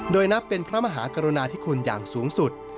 โดยนับเป็นพระมหากรุณาธิคุณอย่างสูงสุด